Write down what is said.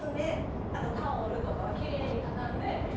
あとタオルとかはきれいに畳んで。